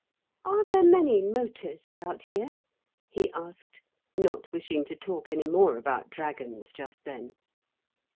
'Are there many motors about here?' he asked, not wishing to talk any more about dragons just then.